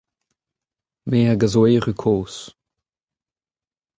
Me hag a zo erru kozh…